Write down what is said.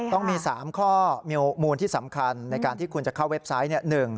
ต้องมี๓ข้อมูลมูลที่สำคัญในการที่คุณจะเข้าเว็บไซต์